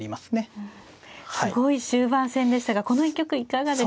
すごい終盤戦でしたがこの一局いかがでしたか。